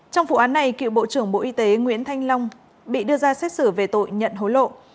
trong vụ án này cựu bộ trưởng bộ y tế nguyễn thanh long bị đưa ra xét xử về tội nhận hối lộ